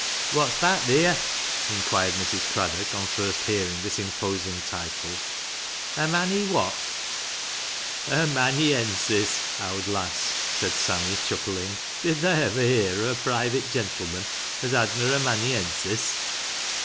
" What's that theer ?" inquired Mrs. Craddock on first hearing this imposing title. " A manny — what ?" "A manny ensis, owd lass," said Sammy, chuckling. " Did tha ivver hear o' a private gentleman as had na a manny ensis